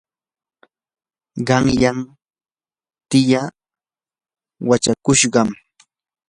qanyan tiyaa wachakushqam.